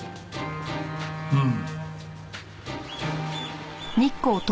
うん。